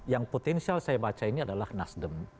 yang potensial saya baca ini adalah nasdem